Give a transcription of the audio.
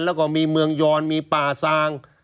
แล้วก็มีเมืองยอนมีป่าซาง